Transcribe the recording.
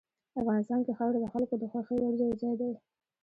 افغانستان کې خاوره د خلکو د خوښې وړ یو ځای دی.